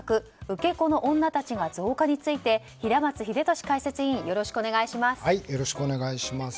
受け子の女たちが増加について平松秀敏解説員よろしくお願いします。